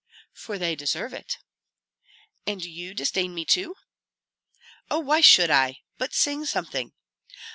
"For they deserve it." "And do you disdain me too?" "Oh, why should I? But sing something."